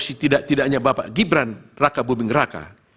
setidaknya bapak gibran raka bubing raka